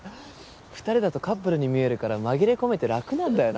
２人だとカップルに見えるから紛れ込めて楽なんだよな。